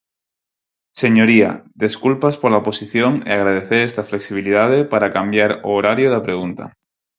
Señoría, desculpas pola posición e agradecer esta flexibilidade para cambiar o horario da pregunta.